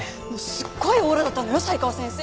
すっごいオーラだったのよ才川先生。